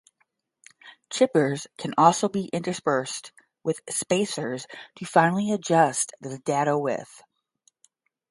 Chippers can also be interspersed with spacers to finely adjust the dado width.